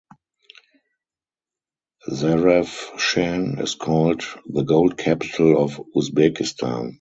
Zarafshan is called "the gold capital of Uzbekistan".